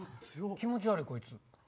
気持ち悪いこいつ。